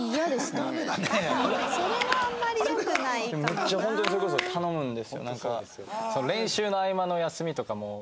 めっちゃホントにそれこそ頼むんですよ。